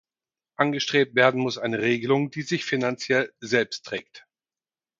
Angestrebt werden muss eine Regelung, die sich finanziell selbst trägt.